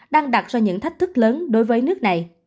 đang đặt ra những thách thức lớn đối với nước này